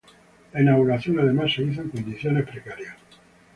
La inauguración además se hizo en condiciones precarias.